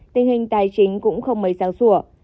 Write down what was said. tình hình tài chính cũng không mấy sáng